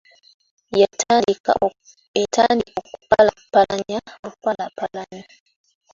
Yatandiika kupalappalanya bupalappalanya.